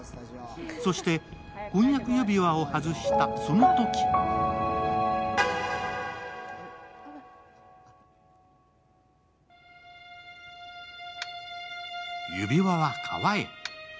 そして婚約指輪を外したとのとき指輪は川へ。